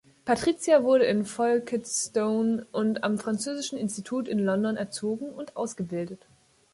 Patricia wurde in Folkestone und am Französischen Institut in London erzogen und ausgebildet.